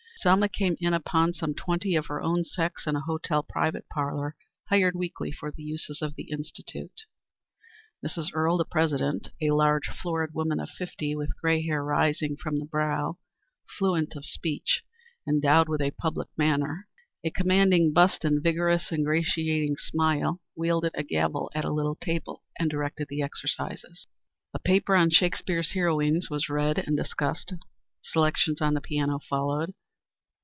Selma came in upon some twenty of her own sex in a hotel private parlor hired weekly for the uses of the Institute. Mrs. Earle, the president, a large florid woman of fifty, with gray hair rising from the brow, fluent of speech, endowed with a public manner, a commanding bust and a vigorous, ingratiating smile, wielded a gavel at a little table and directed the exercises. A paper on Shakespeare's heroines was read and discussed. Selections on the piano followed.